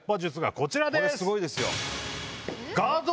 これすごいですよ！